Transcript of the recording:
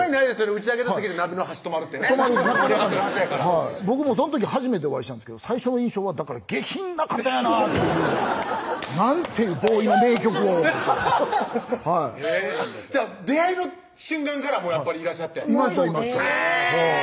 打ち上げの席で鍋の箸止まるって盛り上がってるはずやから僕もその時初めてお会いしたんですけど最初の印象はだから下品な方やなっていうなんてＢＯＷＹの名曲をじゃあ出会いの瞬間からやっぱりいらっしゃっていましたいましたへぇ！